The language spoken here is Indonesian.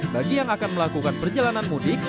bagi yang akan melakukan perjalanan mudik